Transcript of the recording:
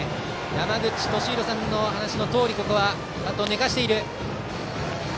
山口敏弘さんの話のとおりここはバットを寝かせている。